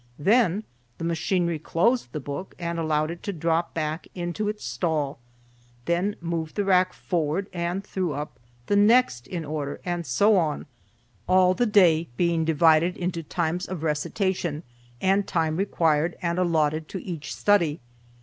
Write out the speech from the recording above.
Then the machinery closed the book and allowed it to drop back into its stall, then moved the rack forward and threw up the next in order, and so on, all the day being divided according to the times of recitation, and time required and allotted to each study.